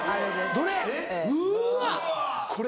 どれ？